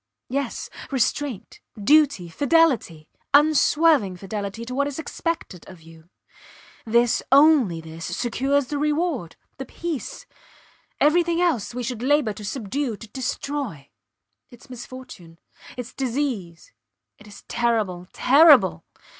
Yes! Restraint, duty, fidelity unswerving fidelity to what is expected of you. This only this secures the reward, the peace. Everything else we should labour to subdue to destroy. Its misfortune; its disease. It is terrible terrible.